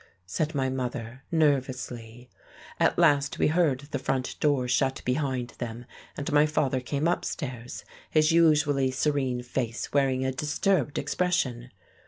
said my mother, nervously. At last we heard the front door shut behind them, and my father came upstairs, his usually serene face wearing a disturbed expression.